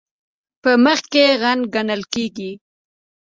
په مخ کې خنډ ګڼل کیږي.